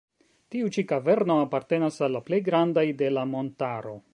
Tiu ĉi kaverno apartenas al la plej grandaj de la montaro.